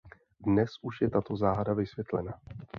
Dnes už je tato záhada vysvětlena.